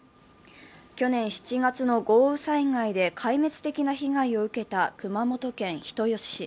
去年７月の豪雨災害で壊滅的な被害を受けた熊本県人吉市。